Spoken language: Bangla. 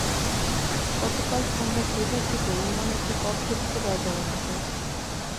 গতকাল সন্ধ্যা ছয়টার দিকে ইমন একটি কক্ষে ঢুকে দরজা বন্ধ করে দেয়।